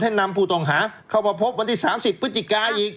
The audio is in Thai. ให้นำผู้ต่องหากลับมาพบวันที่๓๐ตุลาอีก